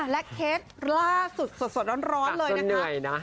และเคสล่าสุดสดร้อนเลยนะคะ